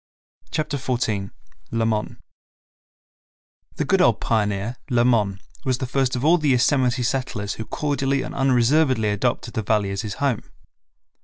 Chapter 14 Lamon The good old pioneer, Lamon, was the first of all the early Yosemite settlers who cordially and unreservedly adopted the Valley as his home.